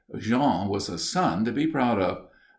Jean was a son to be proud of.